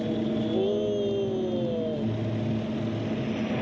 お。